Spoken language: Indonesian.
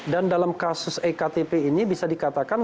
dalam kasus ektp ini bisa dikatakan